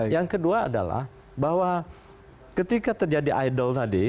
yang kedua adalah bahwa ketika terjadi idol tadi